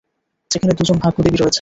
যেখানে দুজন ভাগ্যদেবী রয়েছে।